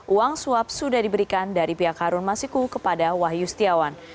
uang suap sudah diberikan dari pihak harun masiku kepada wahyu setiawan